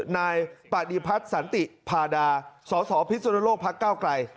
นายปฏิพัฒน์สันติพาดาสสพิสุนโลกพักเก้าไกล